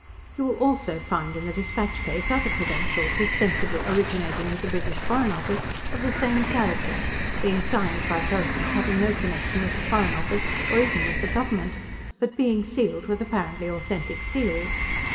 You will also find in the dispatch case other credentials, ostensibly originating with the British Foreign Office, of the same character, being signed by persons having no connection with the Foreign Office, or even with the government, but being sealed with apparently authentic seals.